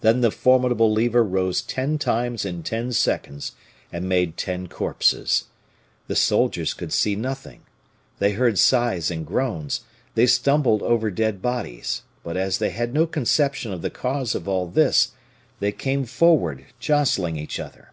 Then the formidable lever rose ten times in ten seconds, and made ten corpses. The soldiers could see nothing; they heard sighs and groans; they stumbled over dead bodies, but as they had no conception of the cause of all this, they came forward jostling each other.